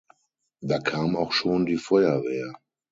Da kam auch schon die Feuerwehr.